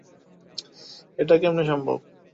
এটা কেমনে সম্ভব?